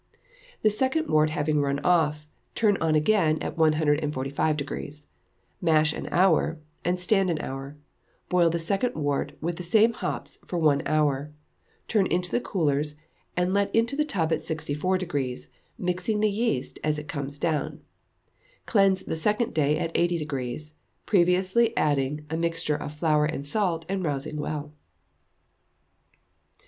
The second wort having run off, turn on again at 145°; mash an hour, and stand an hour; boil the second wort with the same hops for one hour. Turn into the coolers, and let into the tub at 64°, mixing the yeast as it comes down. Cleanse the second day at 80°, previously adding a mixture of flour and salt, and rousing well.